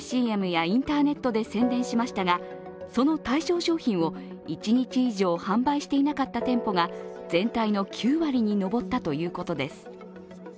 ＣＭやインターネットで宣伝しましたがその対象商品を１日以上販売していなかった店舗が全体の９割に上ったということです